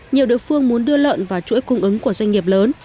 nhiều địa phương muốn đưa lợn vào chuỗi cung ứng của doanh nghiệp lớn